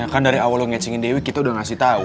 kan dari awal lo ngetchingin dewi kita udah ngasih tau